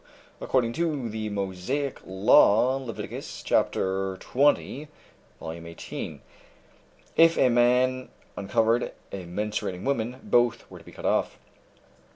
According to the Mosiac law (Leviticus, Chapter XX, v. 18), if a man uncovered a menstruating woman, both were to be cut off.